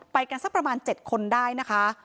ไปกันสักประมาณ๗คนได้นะคะ